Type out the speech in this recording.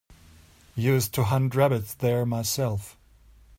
Used to hunt rabbits there myself.